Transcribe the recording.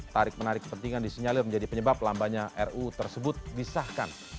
tarik menarik kepentingan disinyalir menjadi penyebab lambanya ruu tersebut disahkan